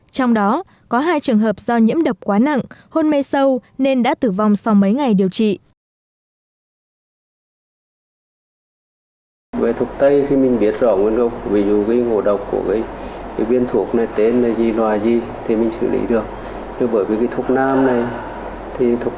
trong đó có hai trường hợp do nhiễm độc quá nặng hôn mê sâu nên đã tử vong sau mấy ngày điều trị